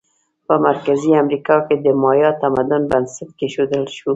په مرکزي امریکا کې د مایا تمدن بنسټ کېښودل شو.